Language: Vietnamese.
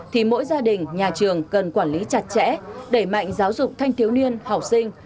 thì mỗi gia đình nhà trường cần quản lý chặt chẽ đẩy mạnh giáo dục thanh thiếu niên học sinh